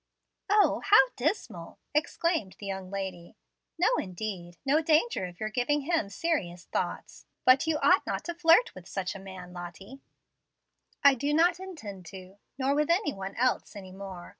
"O, how dismal!" exclaimed the young lady. "No, indeed! no danger of your giving him serious thoughts. But you ought not to flirt with such a man, Lottie." "I do not intend to, nor with any one else, any more.